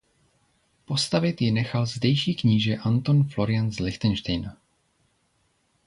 Postavit ji nechal zdejší kníže Anton Florian z Lichtenštejna.